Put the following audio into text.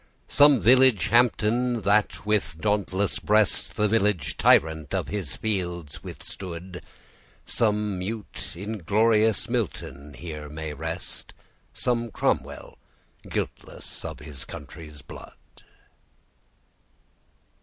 Some village Hampden, that with dauntless breast The village tyrant of his fields withstood— Some mute, inglorious Milton here may rest; Some Cromwell, guiltless of his country's blood.